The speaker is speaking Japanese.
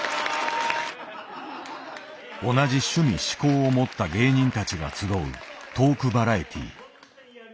同じ趣味嗜好を持った芸人たちが集うトークバラエティー。